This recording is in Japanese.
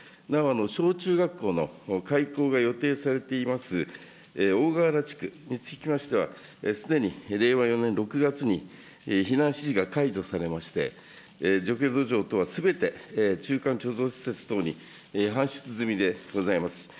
小中学校の開校が予定されています大河原地区につきましては、すでに令和４年６月に避難指示が解除されまして、除去土壌等はすべて中間貯蔵施設等に搬出済みでございます。